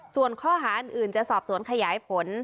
ส่วนข้อหาอื่นจะสอบสวนขยายผล